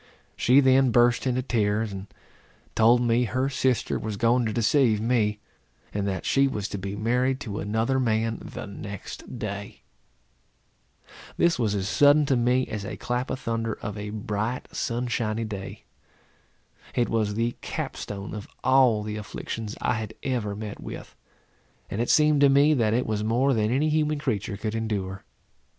She then burst into tears, and told me her sister was going to deceive me; and that she was to be married to another man the next day. This was as sudden to me as a clap of thunder of a bright sunshiny day. It was the cap stone of all the afflictions I had ever met with; and it seemed to me, that it was more than any human creature could endure.